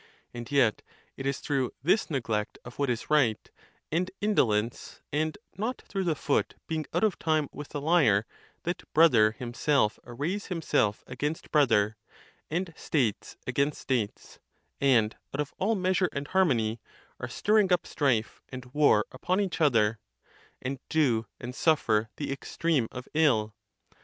And yet it is through this neglect of what is right, and indolence, and not through the foot being out of time with thelyre, that brother himself arrays himself against brother, and states against states, and, out of all measure and harmony, are stirring up strife and war upon each other, and do and suffer the extreme of ill.